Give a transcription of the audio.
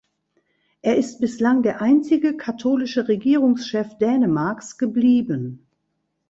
Er ist bislang der einzige katholische Regierungschef Dänemarks geblieben.